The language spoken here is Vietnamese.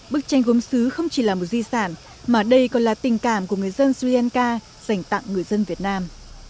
bức tranh gốm xứ không chỉ là một di sản mà đây còn là tình cảm của người dân sri lanka dành tặng người dân việt nam